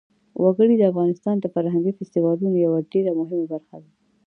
وګړي د افغانستان د فرهنګي فستیوالونو یوه ډېره مهمه برخه ده.